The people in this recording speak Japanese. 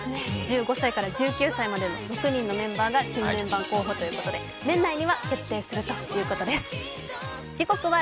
１５歳から１９歳までの６人が新メンバー候補ということで年内には決定するということです。